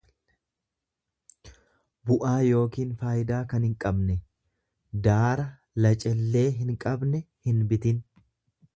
bu'aa yookiin faayidaa kan hinqabne; Daara lacellee hinqabne hinbitin.